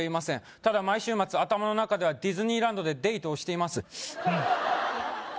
ただ毎週末頭の中ではディズニーランドでデートをしています